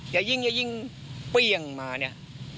อย่ายิงอย่ายิงเปรี้ยงมาเนี่ย